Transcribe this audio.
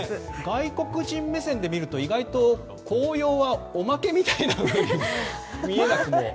外国人目線で見ると意外と、紅葉はおまけみたいなふうに見えなくも。